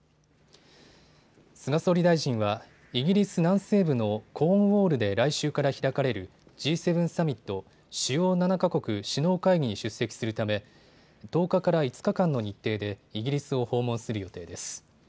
菅総理大臣はイギリス南西部のコーンウォールで来週から開かれるＧ７サミット・主要７か国首脳会議に出席するため１０日から５日間の日程でイギリスを訪問する予定です。